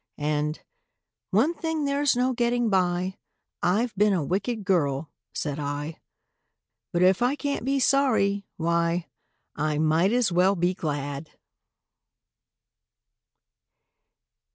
And, "One thing there's no getting by— I've been a wicked girl," said I; "But if I can't be sorry, why, I might as well be glad!"